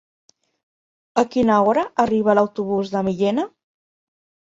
A quina hora arriba l'autobús de Millena?